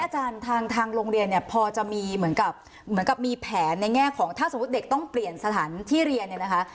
อาจารย์ทางโรงเรียนเนี่ยพอจะมีเหมือนกับเหมือนกับมีแผนในแง่ของถ้าสมมุติเด็กต้องเปลี่ยนสถานที่เรียนเนี่ยนะคะ